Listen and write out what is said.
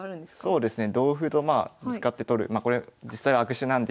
そうですね。